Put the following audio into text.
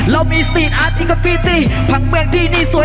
เรามีสตรีทอาร์ตเองกับฟีตี้ผังเมืองที่นี่สวย